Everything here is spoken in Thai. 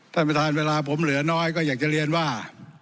ท่านประธานเวลาผมเหลือน้อยก็อยากจะเรียนว่า